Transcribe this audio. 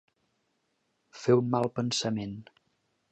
Fer un mal pensament.